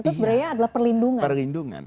itu sebenarnya adalah perlindungan